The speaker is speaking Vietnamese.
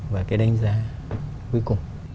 và cái đánh giá cuối cùng